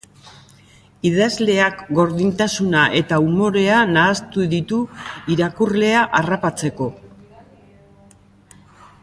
Idazleak gordintasuna eta umorea nahastu ditu irakurlea harrapatzeko.